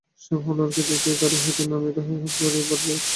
সাহেব হরলালকে দেখিয়াই গাড়ি হইতে নামিয়া তাহার হাত ধরিয়া বাড়িতে প্রবেশ করিল।